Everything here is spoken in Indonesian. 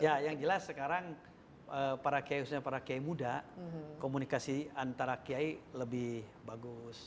ya yang jelas sekarang para kiai usia muda komunikasi antara kiai lebih bagus